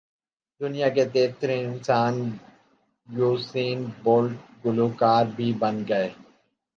دنیا کے تیز ترین انسان یوسین بولٹ گلو کار بھی بن گئے